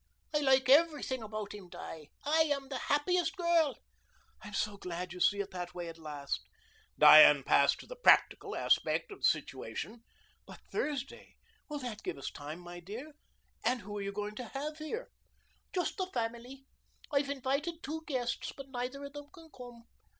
I like everything about him, Di. I am the happiest girl." "I'm so glad you see it that way at last." Diane passed to the practical aspect of the situation. "But Thursday. Will that give us time, my dear? And who are you going to have here?" "Just the family. I've invited two guests, but neither of them can come.